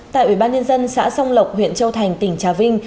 tại ubnd xã song lộc huyện châu thành tỉnh trà vinh